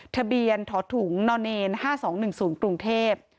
ทะเบียนถอถุงน๕๒๑๐กรุงเทพฯ